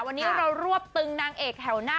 วันนี้เรารวบตึงนางเอกแถวหน้า